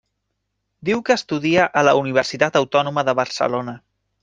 Diu que estudia a la Universitat Autònoma de Barcelona.